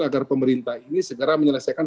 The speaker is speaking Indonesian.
agar pemerintah ini segera menyelesaikan